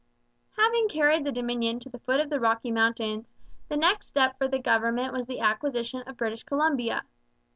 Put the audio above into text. Having carried the Dominion to the foot of the Rocky Mountains, the next step for the government was the acquisition of British Columbia.